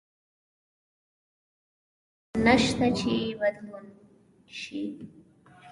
تاسو په ژوند کې داسې هیڅ څه نشته چې بدلون نه شي.